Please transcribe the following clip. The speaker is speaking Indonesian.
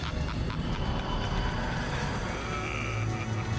lihat itu ph sembilan